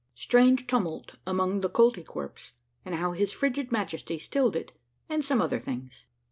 — STRANGE TUIVIULT AMONG THE KOLTY KWERPS, AND HOW HIS FRIGID MA.TESTY STILLED IT, AND SOME OTHER THINGS.